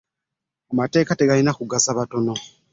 Amateeka tegalina kugasa batono.